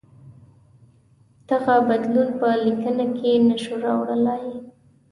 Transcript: دغه بدلون په لیکنه کې نه شو راوړلای.